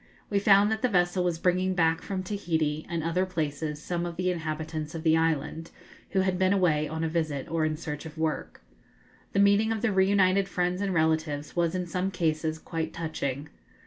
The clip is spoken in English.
We found that the vessel was bringing back from Tahiti and other places some of the inhabitants of the island, who had been away on a visit or in search of work. The meeting of the reunited friends and relatives was in some cases quite touching.